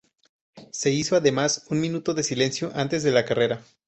Se hizo además un minuto de silencio antes de la carrera.